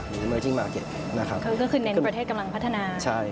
ก็คือเน้นประเทศกำลังพัฒนา